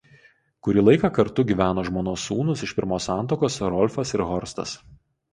Kurį laiką kartu gyveno žmonos sūnūs iš pirmos santuokos Rolfas ir Horstas.